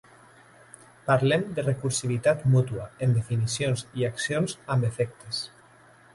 Parlem de Recursivitat mútua en definicions i accions amb efectes.